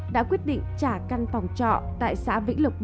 đã quyết định trả căn phòng trọ tại xã vĩnh lục b